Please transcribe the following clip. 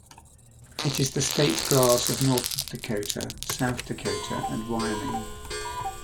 It is the state grass of North Dakota, South Dakota, and Wyoming.